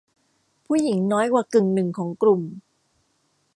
ผู้หญิงน้อยกว่ากึ่งหนึ่งของกลุ่ม